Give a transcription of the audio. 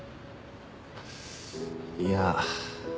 いや。